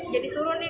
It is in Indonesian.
jadi turun nih